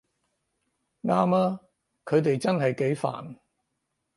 啱吖，佢哋真係幾煩